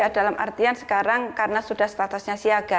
dalam artian sekarang karena sudah statusnya siaga